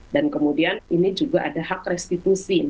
dan kemudian ini juga ada hak restitusi